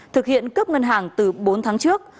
thực hiện cướp ngân hàng từ bốn tháng trước